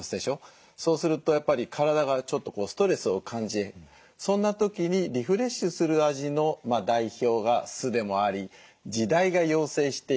そうするとやっぱり体がちょっとこうストレスを感じそんな時にリフレッシュする味の代表が酢でもあり時代が要請している。